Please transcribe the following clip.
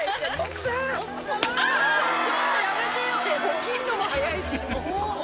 起きるのも早いし。